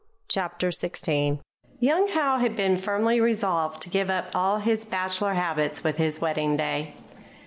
CHAPTER XVI Young Howe had been firmly resolved to give up all his bachelor habits with his wedding day.